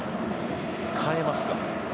変えますか？